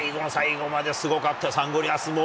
最後の最後まですごかったよ、サンゴリアスも。